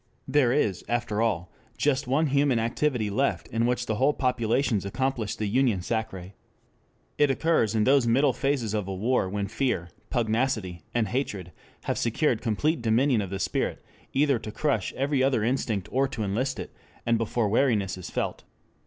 There is, after all, just one human activity left in which whole populations accomplish the union sacrée. It occurs in those middle phases of a war when fear, pugnacity, and hatred have secured complete dominion of the spirit, either to crush every other instinct or to enlist it, and before weariness is felt.